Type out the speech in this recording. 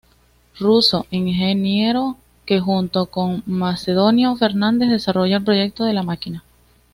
Russo: ingeniero que junto con Macedonio Fernández desarrolla el proyecto de la máquina.